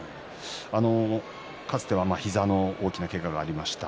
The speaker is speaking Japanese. かつては膝の大きなけががありました。